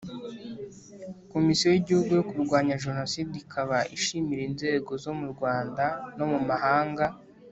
Komisiyo y Igihugu yo kurwanya Jenoside ikaba ishimira inzego zo mu Rwanda no mu mahanga